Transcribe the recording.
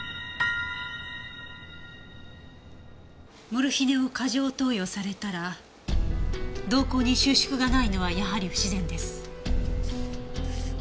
モルヒネを過剰投与されたら瞳孔に収縮がないのはやはり不自然です。